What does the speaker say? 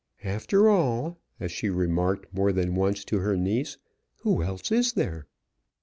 "After all," as she remarked more than once to her niece, "who else is there?"